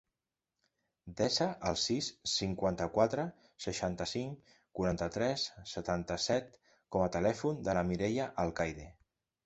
Desa el sis, cinquanta-quatre, seixanta-cinc, quaranta-tres, setanta-set com a telèfon de la Mireia Alcaide.